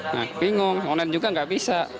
nah bingung online juga nggak bisa